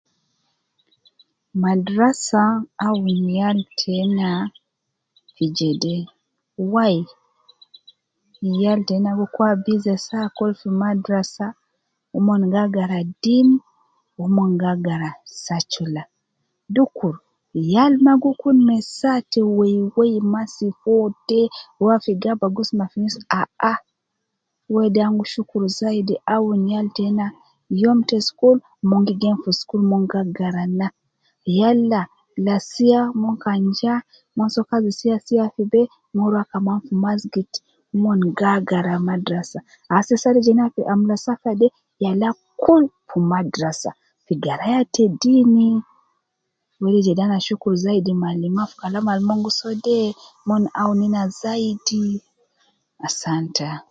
Madrasa aun yal teina fi jede. Wai yal teina gi Kun busy saa kuku fi madrasa mon gi agara din Wu umon ga agara secular dukur yaal maa gi Kun ma saa ta weiwei de ruwa fi gaba fi Gus Gus mafinisi. Wede ana gi shukuru zaidi malima teina.